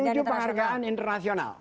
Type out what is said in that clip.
tujuh penghargaan internasional